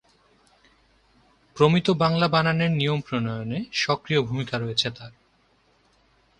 প্রমিত বাংলা বানানের নিয়ম প্রণয়নে সক্রিয় ভূমিকা রয়েছে তার।